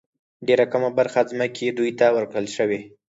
ډېره کمه برخه ځمکې دوی ته ورکړل شوې.